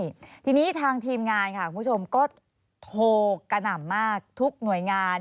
ใช่ทีนี้ทางทีมงานค่ะคุณผู้ชมก็โทรกระหน่ำมากทุกหน่วยงาน